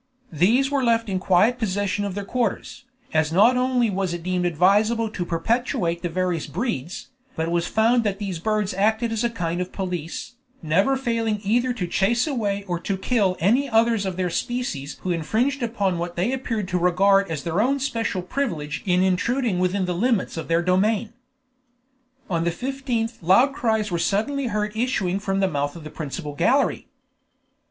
These were left in quiet possession of their quarters, as not only was it deemed advisable to perpetuate the various breeds, but it was found that these birds acted as a kind of police, never failing either to chase away or to kill any others of their species who infringed upon what they appeared to regard as their own special privilege in intruding within the limits of their domain. On the 15th loud cries were suddenly heard issuing from the mouth of the principal gallery.